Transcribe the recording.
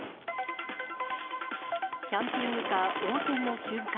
キャンピングカー横転の瞬間。